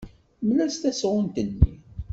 Mel-as tasɣunt-nni.